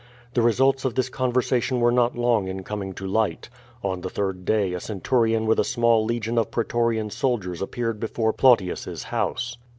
The results of this conver sation were not long in coming to light. On the third day a centurion with a small legion of pretorian soldiers ap peared before Plautius's house.